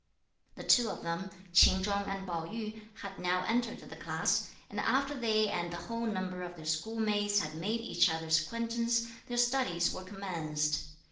The two of them, Ch'in Chung and Pao yü, had now entered the class, and after they and the whole number of their schoolmates had made each other's acquaintance, their studies were commenced.